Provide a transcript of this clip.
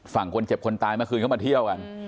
ฝั่งคนเจ็บคนตายมาที่เที่ยว